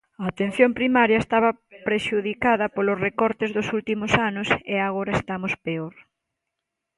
A Atención Primaria estaba prexudicada polos recortes dos últimos anos e agora estamos peor.